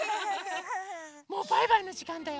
もうバイバイのじかんだよ。